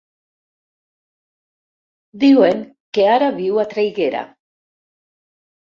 Diuen que ara viu a Traiguera.